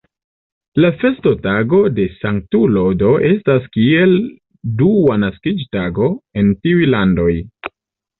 La festotago de Sanktulo do estas kiel dua naskiĝtago, en tiuj landoj.